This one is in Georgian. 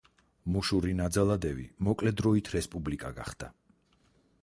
მუშური ნაძალადევი მოკლე დროით „რესპუბლიკა“ გახდა.